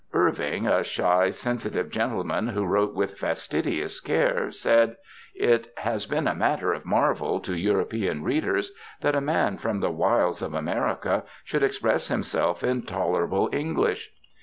Irving, a shy, sensitive gentleman, who wrote with fastidious care, said: "It has been a matter of marvel, to European readers, that a man from the wilds of America should express himself in tolerable English."